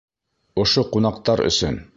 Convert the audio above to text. Ошо ҡунаҡтар өсөн.